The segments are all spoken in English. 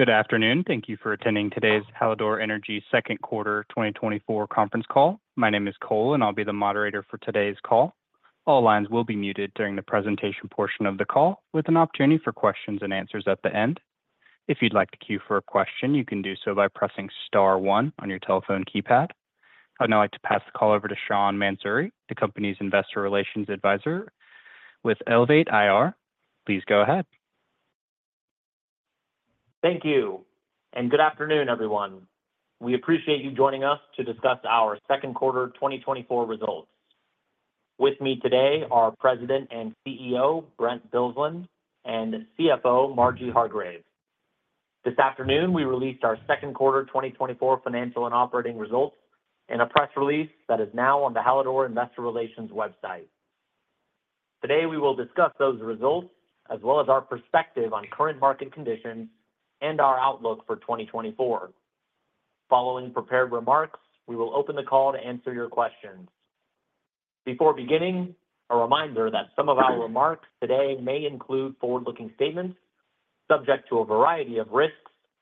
Good afternoon. Thank you for attending today's Hallador Energy Q2 2024 conference call. My name is Cole, and I'll be the moderator for today's call. All lines will be muted during the presentation portion of the call, with an opportunity for questions and answers at the end. If you'd like to queue for a question, you can do so by pressing star one on your telephone keypad. I'd now like to pass the call over to Sean Mansouri, the company's investor relations advisor with Elevate IR. Please go ahead. Thank you, and good afternoon, everyone. We appreciate you joining us to discuss our Q2 2024 results. With me today are President and CEO, Brent Bilsland, and CFO, Marjorie Hargrave. This afternoon, we released our Q2 2024 financial and operating results in a press release that is now on the Hallador Investor Relations website. Today, we will discuss those results, as well as our perspective on current market conditions and our outlook for 2024. Following prepared remarks, we will open the call to answer your questions. Before beginning, a reminder that some of our remarks today may include forward-looking statements subject to a variety of risks,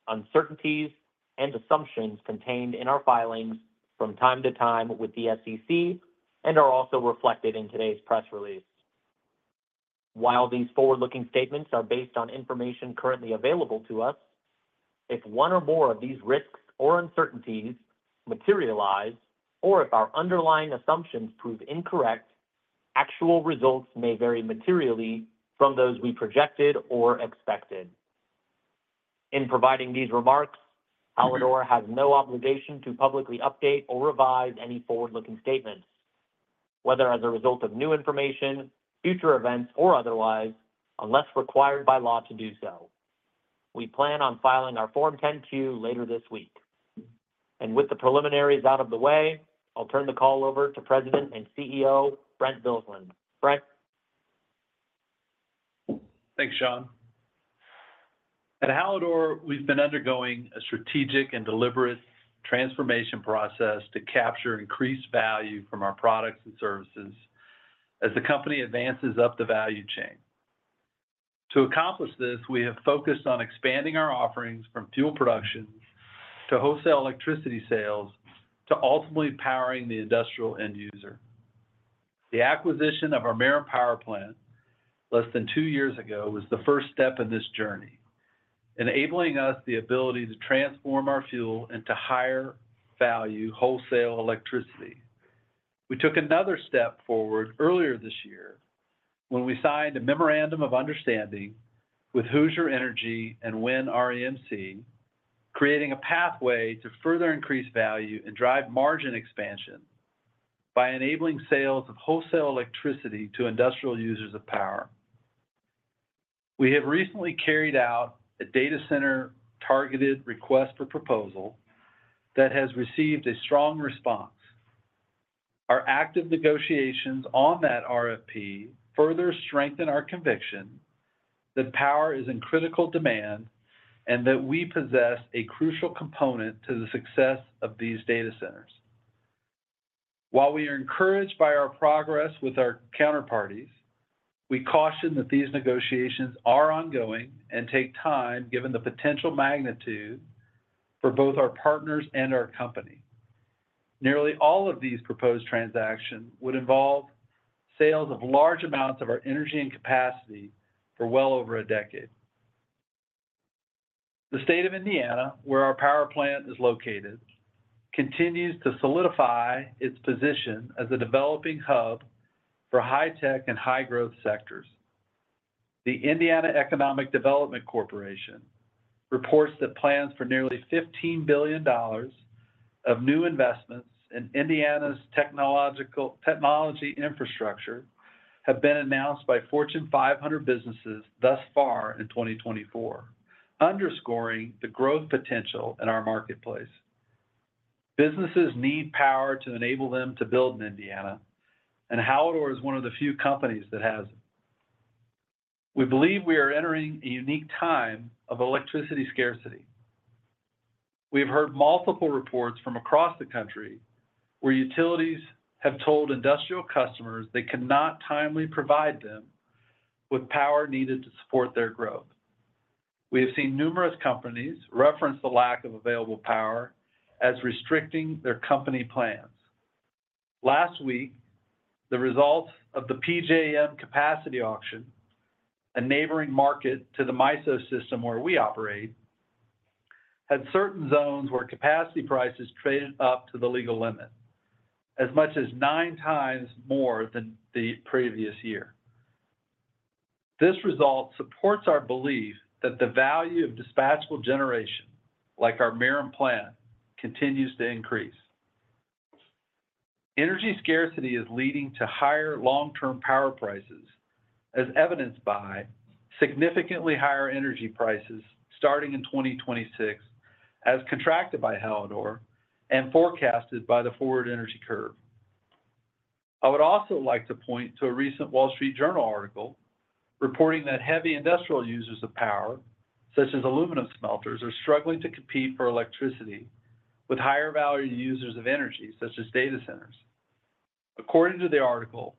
uncertainties, and assumptions contained in our filings from time to time with the SEC, and are also reflected in today's press release. While these forward-looking statements are based on information currently available to us, if one or more of these risks or uncertainties materialize, or if our underlying assumptions prove incorrect, actual results may vary materially from those we projected or expected. In providing these remarks, Hallador has no obligation to publicly update or revise any forward-looking statements, whether as a result of new information, future events, or otherwise, unless required by law to do so. We plan on filing our Form 10-Q later this week. With the preliminaries out of the way, I'll turn the call over to President and CEO, Brent Bilsland. Brent? Thanks, Sean. At Hallador, we've been undergoing a strategic and deliberate transformation process to capture increased value from our products and services as the company advances up the value chain. To accomplish this, we have focused on expanding our offerings from fuel production to wholesale electricity sales, to ultimately powering the industrial end user. The acquisition of our Merom Generating Station less than two years ago was the first step in this journey, enabling us the ability to transform our fuel into higher value wholesale electricity. We took another step forward earlier this year when we signed a memorandum of understanding with Hoosier Energy and WIN REMC, creating a pathway to further increase value and drive margin expansion by enabling sales of wholesale electricity to industrial users of power. We have recently carried out a data center-targeted request for proposal that has received a strong response. Our active negotiations on that RFP further strengthen our conviction that power is in critical demand and that we possess a crucial component to the success of these data centers. While we are encouraged by our progress with our counterparties, we caution that these negotiations are ongoing and take time, given the potential magnitude for both our partners and our company. Nearly all of these proposed transactions would involve sales of large amounts of our energy and capacity for well over a decade. The state of Indiana, where our power plant is located, continues to solidify its position as a developing hub for high-tech and high-growth sectors. The Indiana Economic Development Corporation reports that plans for nearly $15 billion of new investments in Indiana's technology infrastructure have been announced by Fortune 500 businesses thus far in 2024, underscoring the growth potential in our marketplace. Businesses need power to enable them to build in Indiana, and Hallador is one of the few companies that has it. We believe we are entering a unique time of electricity scarcity. We have heard multiple reports from across the country where utilities have told industrial customers they cannot timely provide them with power needed to support their growth. We have seen numerous companies reference the lack of available power as restricting their company plans. Last week, the results of the PJM capacity auction, a neighboring market to the MISO system where we operate, had certain zones where capacity prices traded up to the legal limit as much as 9x more than the previous year. This result supports our belief that the value of dispatchable generation, like our Merom Plant, continues to increase. Energy scarcity is leading to higher long-term power prices, as evidenced by significantly higher energy prices starting in 2026, as contracted by Hallador and forecasted by the forward energy curve. I would also like to point to a recent Wall Street Journal article reporting that heavy industrial users of power, such as aluminum smelters, are struggling to compete for electricity with higher value users of energy, such as data centers.... According to the article,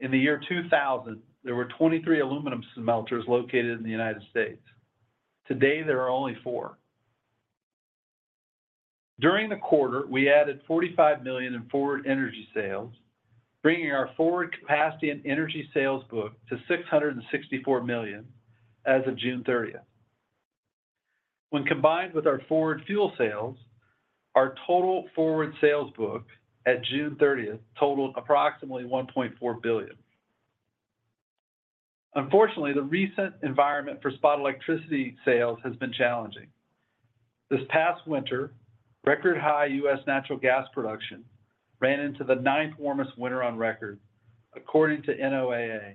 in the year 2000, there were 23 aluminum smelters located in the United States. Today, there are only four. During the quarter, we added $45 million in forward energy sales, bringing our forward capacity and energy sales book to $664 million as of June 30. When combined with our forward fuel sales, our total forward sales book at June 30 totaled approximately $1.4 billion. Unfortunately, the recent environment for spot electricity sales has been challenging. This past winter, record high U.S. natural gas production ran into the ninth warmest winter on record, according to NOAA.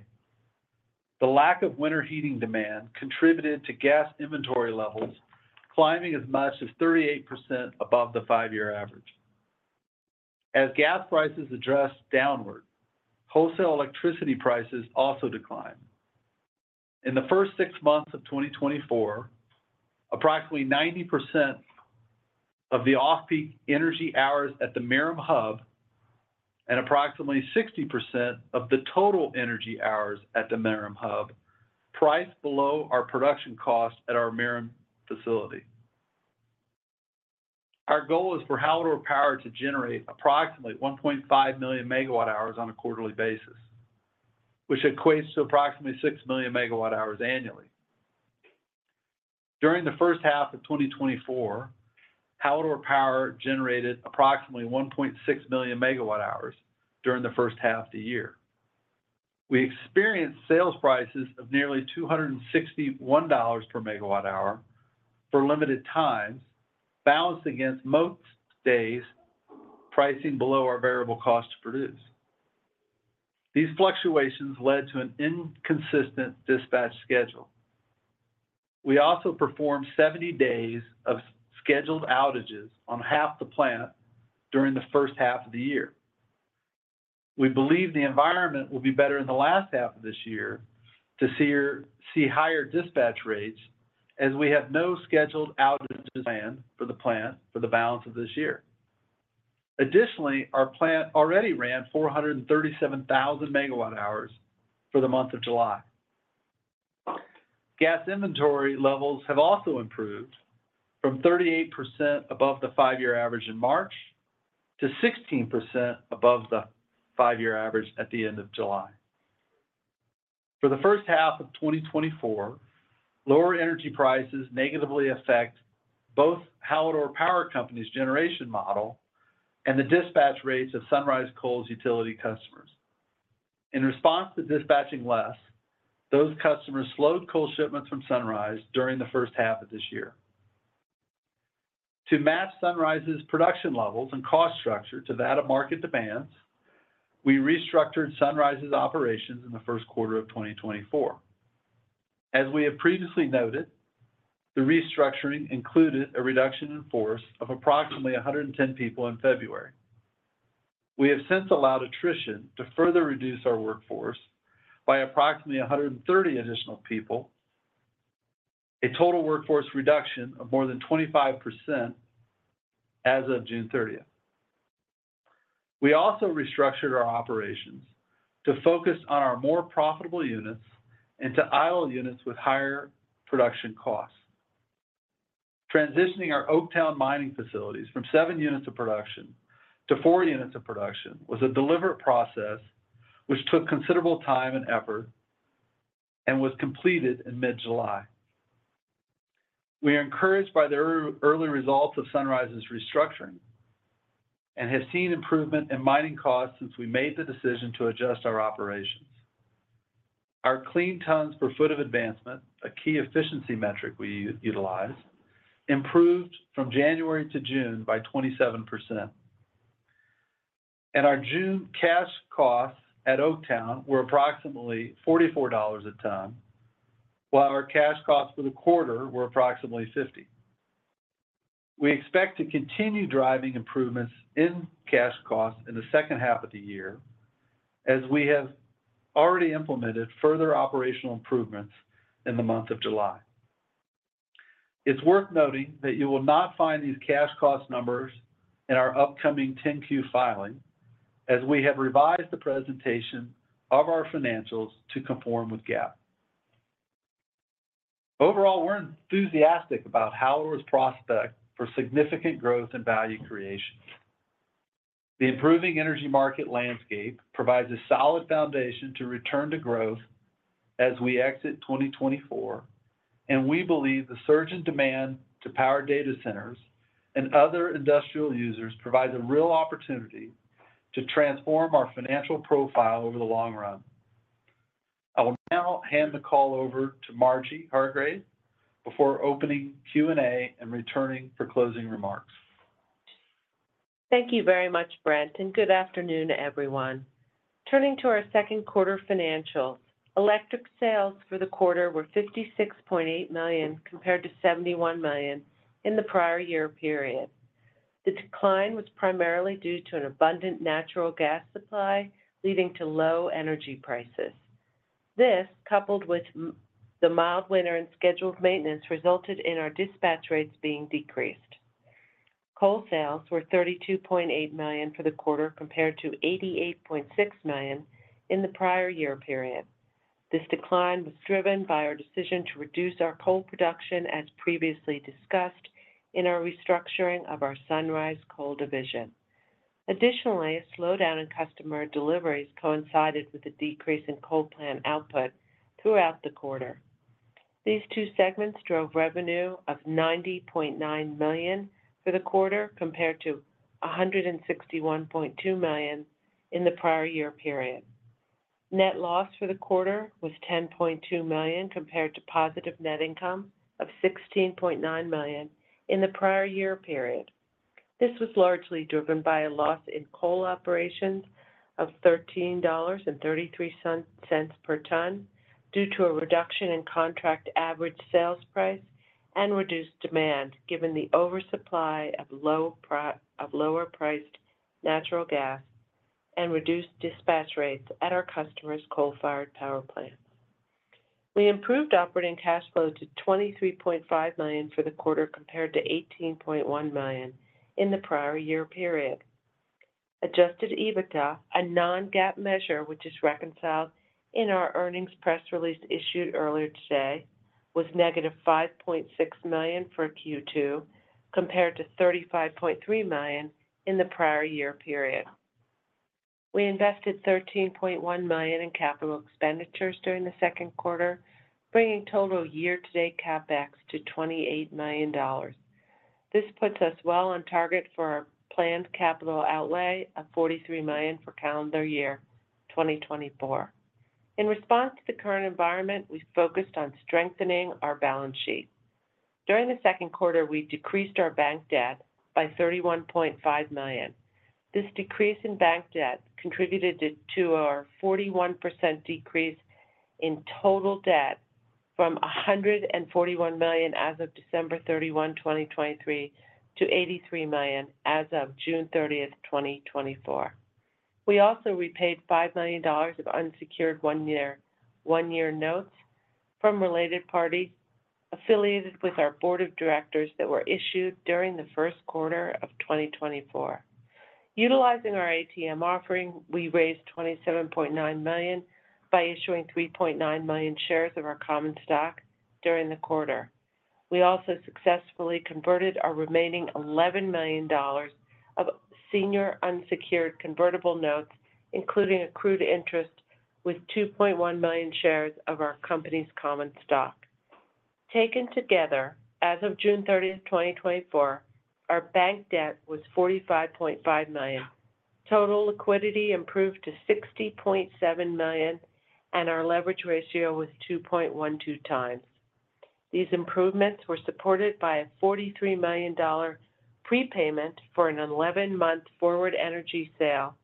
The lack of winter heating demand contributed to gas inventory levels climbing as much as 38% above the 5-year average. As gas prices adjusted downward, wholesale electricity prices also declined. In the first six months of 2024, approximately 90% of the off-peak energy hours at the Merom Hub, and approximately 60% of the total energy hours at the Merom Hub, priced below our production cost at our Merom facility. Our goal is for Hallador Power to generate approximately 1.5 million MWh on a quarterly basis, which equates to approximately 6 million MWh annually. During the H1 of 2024, Hallador Power generated approximately 1.6 million MWh during the H1 of the year. We experienced sales prices of nearly $261 per MWh for limited times, balanced against most days, pricing below our variable cost to produce. These fluctuations led to an inconsistent dispatch schedule. We also performed 70 days of scheduled outages on half the plant during the H1 of the year. We believe the environment will be better in the last half of this year to see higher dispatch rates, as we have no scheduled outage plan for the plant for the balance of this year. Additionally, our plant already ran 437,000 MWh for the month of July. Gas inventory levels have also improved from 38% above the five-year average in March, to 16% above the five-year average at the end of July. For the H1 of 2024, lower energy prices negatively affect both Hallador Power Company's generation model and the dispatch rates of Sunrise Coal's utility customers. In response to dispatching less, those customers slowed coal shipments from Sunrise during the H1 of this year. To match Sunrise's production levels and cost structure to that of market demands, we restructured Sunrise's operations in the Q1 of 2024. As we have previously noted, the restructuring included a reduction in force of approximately 110 people in February. We have since allowed attrition to further reduce our workforce by approximately 130 additional people, a total workforce reduction of more than 25% as of June 30. We also restructured our operations to focus on our more profitable units and to idle units with higher production costs. Transitioning our Oaktown Mining Facilities from 7 units of production to 4 units of production was a deliberate process which took considerable time and effort, and was completed in mid-July. We are encouraged by the early results of Sunrise's restructuring and have seen improvement in mining costs since we made the decision to adjust our operations. Our clean tons per foot of advancement, a key efficiency metric we utilize, improved from January to June by 27%. Our June cash costs at Oaktown were approximately $44 a ton, while our cash costs for the quarter were approximately $50. We expect to continue driving improvements in cash costs in the H2 of the year, as we have already implemented further operational improvements in the month of July. It's worth noting that you will not find these cash cost numbers in our upcoming 10-Q filing, as we have revised the presentation of our financials to conform with GAAP. Overall, we're enthusiastic about Hallador's prospect for significant growth and value creation. The improving energy market landscape provides a solid foundation to return to growth as we exit 2024, and we believe the surge in demand to power data centers and other industrial users provides a real opportunity to transform our financial profile over the long run. I will now hand the call over to Marjorie Hargrave, before opening Q&A and returning for closing remarks. Thank you very much, Brent, and good afternoon, everyone. Turning to our Q2 financials, electric sales for the quarter were $56.8 million, compared to $71 million in the prior year period. The decline was primarily due to an abundant natural gas supply, leading to low energy prices. This, coupled with the mild winter and scheduled maintenance, resulted in our dispatch rates being decreased. Coal sales were $32.8 million for the quarter, compared to $88.6 million in the prior year period. This decline was driven by our decision to reduce our coal production, as previously discussed in our restructuring of our Sunrise Coal division. Additionally, a slowdown in customer deliveries coincided with a decrease in coal plant output throughout the quarter. These two segments drove revenue of $90.9 million for the quarter, compared to $161.2 million in the prior year period. Net loss for the quarter was $10.2 million, compared to positive net income of $16.9 million in the prior year period. This was largely driven by a loss in coal operations of $13.33 per ton, due to a reduction in contract average sales price and reduced demand, given the oversupply of lower-priced natural gas and reduced dispatch rates at our customer's coal-fired power plant. We improved operating cash flow to $23.5 million for the quarter, compared to $18.1 million in the prior year period. Adjusted EBITDA, a non-GAAP measure, which is reconciled in our earnings press release issued earlier today, was -$5.6 million for Q2, compared to $35.3 million in the prior year period. We invested $13.1 million in capital expenditures during the Q2, bringing total year-to-date CapEx to $28 million. This puts us well on target for our planned capital outlay of $43 million for calendar year 2024. In response to the current environment, we focused on strengthening our balance sheet. During the Q2, we decreased our bank debt by $31.5 million. This decrease in bank debt contributed to our 41% decrease in total debt from $141 million as of December 31, 2023, to $83 million as of June 30, 2024. We also repaid $5 million of unsecured one-year notes from related parties affiliated with our board of directors that were issued during the Q1 of 2024. Utilizing our ATM offering, we raised $27.9 million by issuing 3.9 million shares of our common stock during the quarter. We also successfully converted our remaining $11 million of senior unsecured convertible notes, including accrued interest, with 2.1 million shares of our company's common stock. Taken together, as of June 30, 2024, our bank debt was $45.5 million. Total liquidity improved to $60.7 million, and our leverage ratio was 2.12x. These improvements were supported by a $43 million prepayment for an 11-month forward energy sale,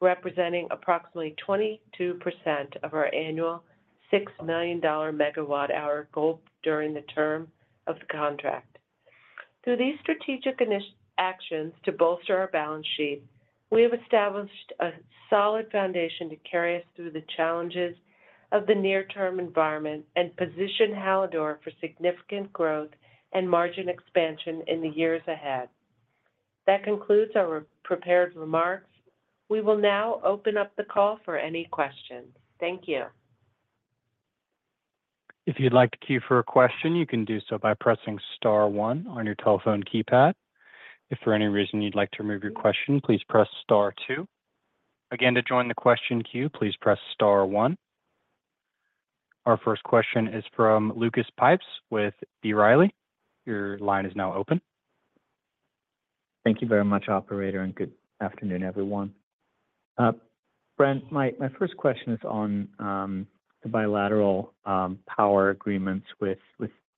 representing approximately 22% of our annual 69 million MWh goal during the term of the contract. Through these strategic initiatives actions to bolster our balance sheet, we have established a solid foundation to carry us through the challenges of the near-term environment and position Hallador for significant growth and margin expansion in the years ahead. That concludes our prepared remarks. We will now open up the call for any questions. Thank you. If you'd like to queue for a question, you can do so by pressing star one on your telephone keypad. If for any reason you'd like to remove your question, please press star two. Again, to join the question queue, please press star one. Our first question is from Lucas Pipes with B. Riley. Your line is now open. Thank you very much, operator, and good afternoon, everyone. Brent, my first question is on the bilateral power agreements with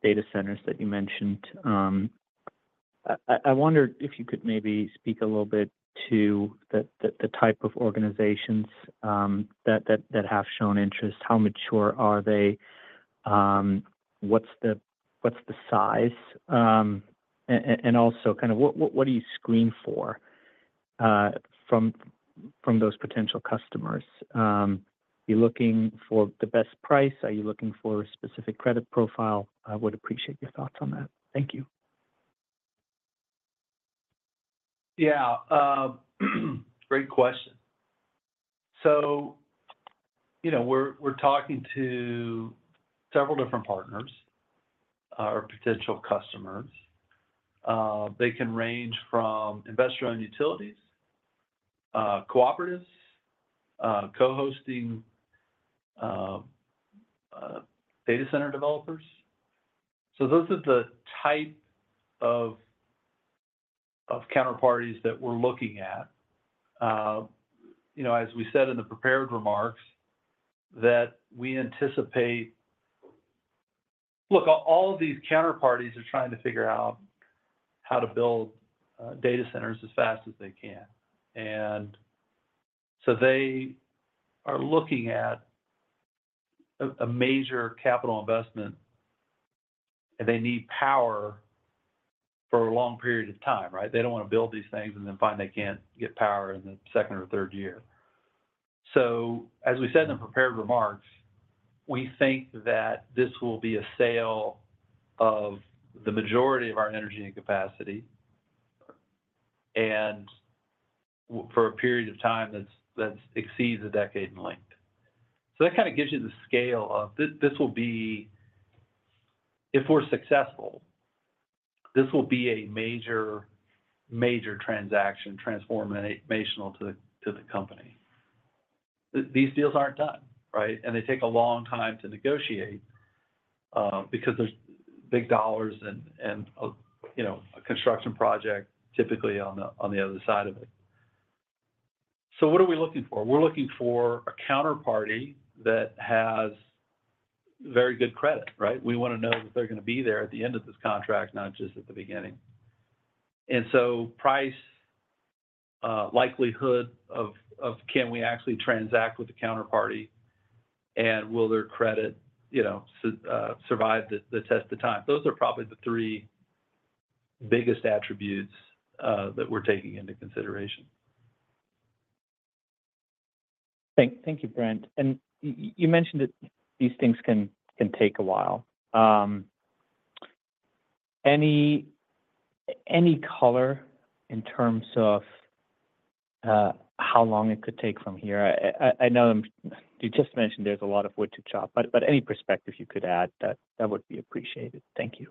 data centers that you mentioned. I wonder if you could maybe speak a little bit to the type of organizations that have shown interest. How mature are they? What's the size? And also kind of what do you screen for from those potential customers? Are you looking for the best price? Are you looking for a specific credit profile? I would appreciate your thoughts on that. Thank you. Yeah, great question. So, you know, we're, we're talking to several different partners or potential customers. They can range from investor-owned utilities, cooperatives, co-hosting, data center developers. So those are the type of, of counterparties that we're looking at. You know, as we said in the prepared remarks, that we anticipate... Look, all, all of these counterparties are trying to figure out how to build, data centers as fast as they can. And so they are looking at a, a major capital investment-... and they need power for a long period of time, right? They don't want to build these things and then find they can't get power in the second or third year. So as we said in the prepared remarks, we think that this will be a sale of the majority of our energy and capacity, and for a period of time that's that exceeds a decade in length. So that kind of gives you the scale of this, this will be if we're successful, this will be a major, major transaction, transformational to the, to the company. These deals aren't done, right? And they take a long time to negotiate because there's big dollars and, and you know, a construction project typically on the, on the other side of it. So what are we looking for? We're looking for a counterparty that has very good credit, right? We want to know that they're going to be there at the end of this contract, not just at the beginning. And so price, likelihood of can we actually transact with the counterparty, and will their credit, you know, survive the test of time? Those are probably the three biggest attributes that we're taking into consideration. Thank you, Brent. And you mentioned that these things can take a while. Any color in terms of how long it could take from here? I know you just mentioned there's a lot of wood to chop, but any perspective you could add, that would be appreciated. Thank you.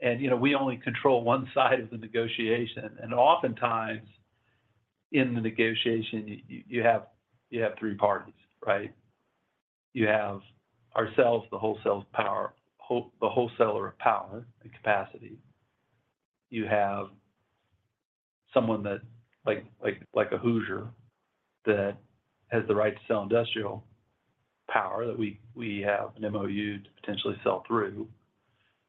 Well, that's a great question, too. You know, we only control one side of the negotiation, and oftentimes, in the negotiation, you have three parties, right? You have ourselves, the wholesaler of power and capacity. You have someone like a Hoosier that has the right to sell industrial power, that we have an MOU to potentially sell through,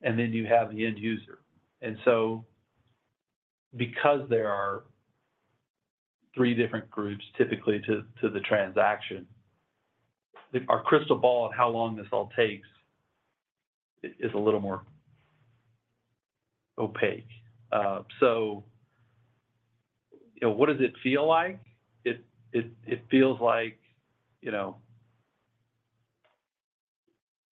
and then you have the end user. And so because there are three different groups, typically to the transaction, our crystal ball on how long this all takes is a little more opaque. So, you know, what does it feel like? It feels like, you know,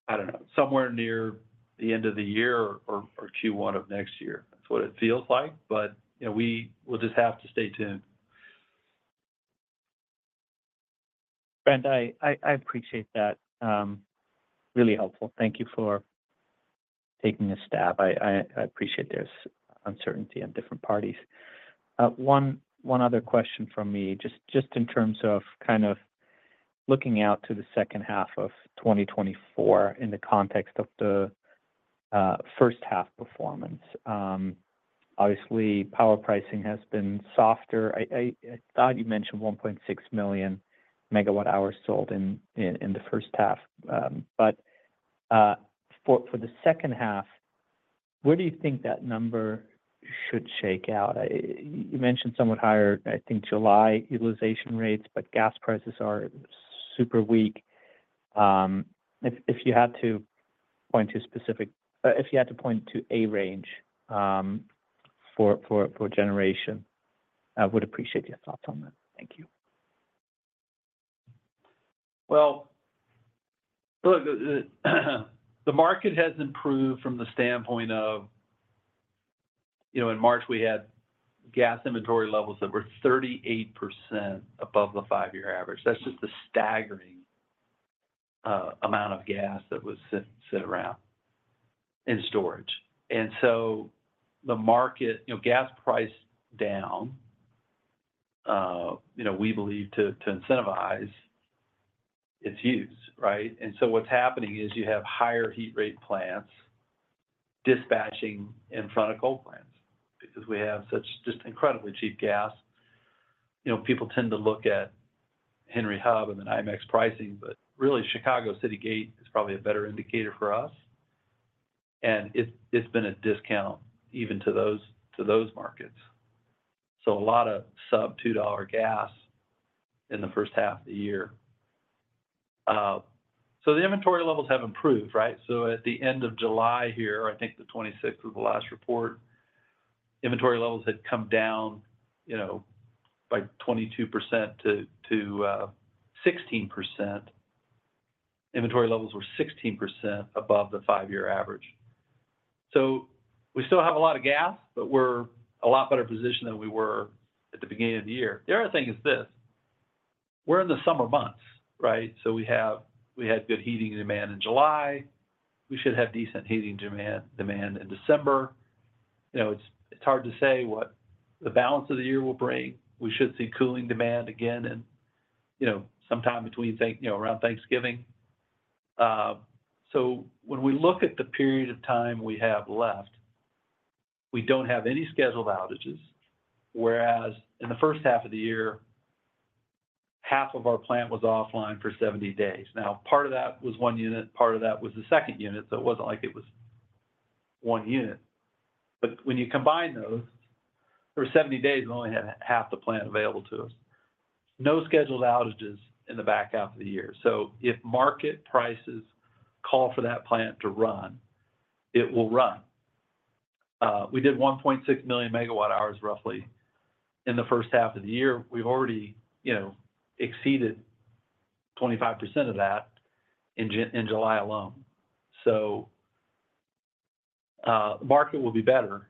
I don't know, somewhere near the end of the year or Q1 of next year. That's what it feels like. You know, we'll just have to stay tuned. Brent, I appreciate that. Really helpful. Thank you for taking a stab. I appreciate there's uncertainty on different parties. One other question from me, just in terms of kind of looking out to the H2 of 2024 in the context of the H1 performance. Obviously, power pricing has been softer. I thought you mentioned 1.6 million MWh sold in the H1. But for the H2, where do you think that number should shake out? You mentioned somewhat higher, I think, July utilization rates, but gas prices are super weak. If you had to point to a range for generation, I would appreciate your thoughts on that. Thank you. Well, look, the market has improved from the standpoint of... You know, in March, we had gas inventory levels that were 38% above the five-year average. That's just a staggering amount of gas that was sitting around in storage. And so the market, you know, gas price down, you know, we believe to incentivize its use, right? And so what's happening is you have higher heat rate plants dispatching in front of coal plants because we have such just incredibly cheap gas. You know, people tend to look at Henry Hub and the NYMEX pricing, but really, Chicago Citygate is probably a better indicator for us, and it's been a discount even to those markets. So a lot of sub-$2 gas in the H1 of the year. So the inventory levels have improved, right? So at the end of July here, I think the twenty-sixth was the last report, inventory levels had come down, you know, by 22% to sixteen percent. Inventory levels were 16% above the five-year average. So we still have a lot of gas, but we're a lot better position than we were at the beginning of the year. The other thing is this: we're in the summer months, right? So we have—we had good heating demand in July. We should have decent heating demand, demand in December. You know, it's, it's hard to say what the balance of the year will bring. We should see cooling demand again and, you know, sometime between thank—you know, around Thanksgiving. So when we look at the period of time we have left, we don't have any scheduled outages, whereas in the H1 of the year, half of our plant was offline for 70 days. Now, part of that was one unit, part of that was the second unit, so it wasn't like it was one unit. But when you combine those, for 70 days, we only had half the plant available to us. No scheduled outages in the back half of the year. So if market prices call for that plant to run, it will run. We did 1.6 million MWh, roughly in the H1 of the year. We've already, you know, exceeded 25% of that in July alone. So, market will be better.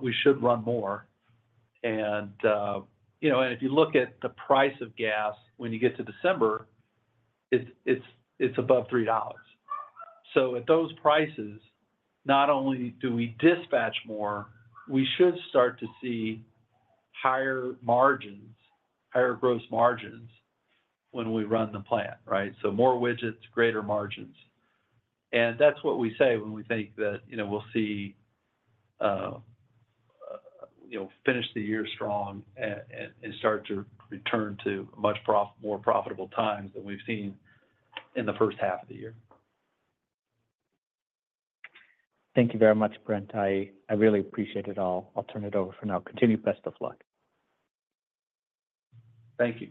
We should run more. And, you know, and if you look at the price of gas when you get to December, it's above $3. So at those prices, not only do we dispatch more, we should start to see higher margins, higher gross margins when we run the plant, right? So more widgets, greater margins. And that's what we say when we think that, you know, we'll see, you know, finish the year strong and start to return to much more profitable times than we've seen in the H1 of the year. Thank you very much, Brent. I, I really appreciate it all. I'll turn it over for now. Continued best of luck. Thank you.